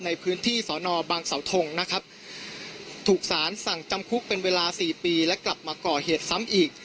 ในพื้นที่สอนอบางเสาทงนะครับถูกสารสั่งจำคุกเป็นเวลาสี่ปีและกลับมาก่อเหตุซ้ำอีก